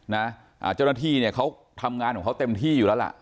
เจ้าหน้าที่เนี่ยเขาทำงานของเขาเต็มที่อยู่แล้วล่ะ